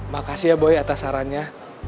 makasih ya boy atas sarannya